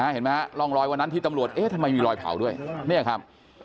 เห็นไหมฮะร่องรอยวันนั้นที่ตำรวจเอ๊ะทำไมมีรอยเผาด้วยเนี่ยครับ